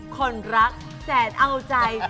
คนรักแสนเอาใจ